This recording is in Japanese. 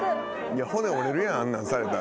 骨折れるやんあんなんされたら。